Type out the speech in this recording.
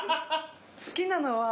好きなのは。